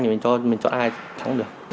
thì mình chọn ai thắng được